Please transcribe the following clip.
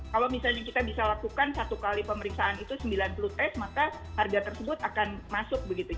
kalau misalnya kita bisa lakukan satu kali pemeriksaan itu sembilan puluh tes maka harga tersebut akan masuk begitu